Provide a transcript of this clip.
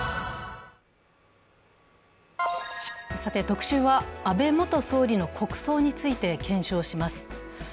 特集は、安倍元総理の国葬について検証します。